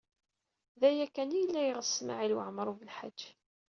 D aya kan ay yella yeɣs Smawil Waɛmaṛ U Belḥaǧ.